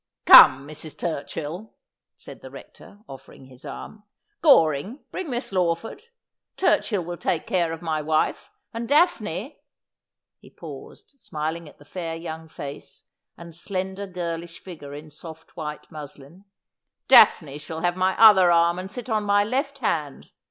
' Come, Mrs. Turchill,' said the Rector, offering his arm. ' Goring, bring Miss Lawford ; Turchill will take care of my wife ; and Daphne '— he paused, smiling at the fair young face and slender girlish figure in soft white muslin —' Daphne shall have my other arm, and sit on my left hand.